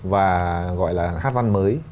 và gọi là hát văn mới